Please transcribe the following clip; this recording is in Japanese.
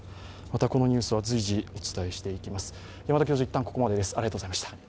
またこのニュースは随時お伝えしていきます。